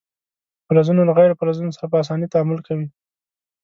فلزونه له غیر فلزونو سره په اسانۍ تعامل کوي.